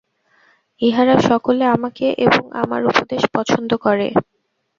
ইহারা সকলে আমাকে এবং আমার উপদেশ পছন্দ করে।